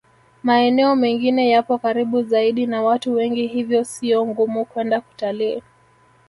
Maeneo mengine yapo karibu zaidi na watu wengi hivyo sio ngumu kwenda kutalii